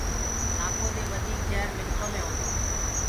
سآنٚپو دي وڌيڪ جهر منکو مي هونٚدوئي